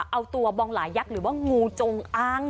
เอาตัวบองหลายยักษ์หรือว่างูจงอ้าง